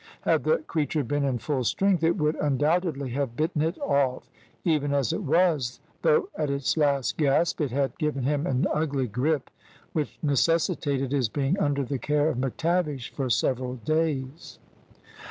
Had the creature been in full strength it would undoubtedly have bitten it off; even as it was, though at its last gasp, it had given him an ugly gripe, which necessitated his being under the care of McTavish for several days.